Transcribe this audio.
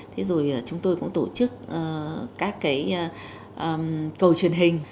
thế rồi chúng tôi cũng tổ chức các cái cầu truyền hình